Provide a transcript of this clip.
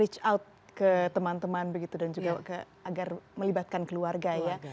kita harus reach out ke teman teman dan juga agar melibatkan keluarga ya